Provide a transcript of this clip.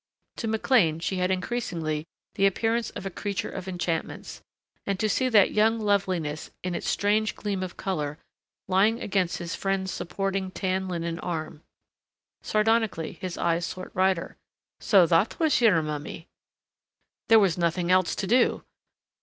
To McLean she had increasingly the appearance of a creature of enchantments. And to see that young loveliness in its strange gleam of color lying against his friend's supporting tan linen arm Sardonically his eyes sought Ryder. "So that was your mummy!" "There was nothing else to do."